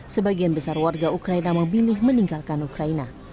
sebagian besar warga ukraina memilih meninggalkan ukraina